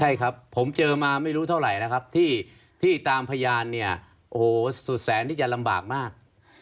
ใช่ครับผมเจอมาไม่รู้เท่าไหร่แล้วครับที่ตามพยานเนี่ยโอ้โหสุดแสนที่จะลำบากมาก